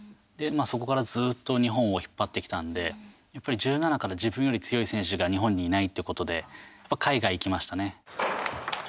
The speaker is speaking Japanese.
そこからずっと日本を引っ張ってきたんでやっぱり１７から自分より強い選手が日本にいないっていうことでやっぱ海外行きましたね。